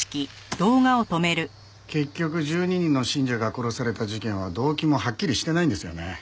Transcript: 結局１２人の信者が殺された事件は動機もはっきりしてないんですよね。